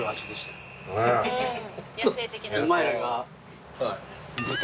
お前らが。